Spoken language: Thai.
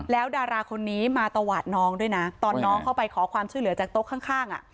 แล้วดาราคนนี้มาตวาดน้องด้วยนะตอนน้องเข้าไปขอความช่วยเหลือจากโต๊ะข้าง